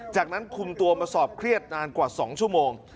จากนั้นคุมตัวมาสอบเครียดนานกว่า๒ชั่วโมง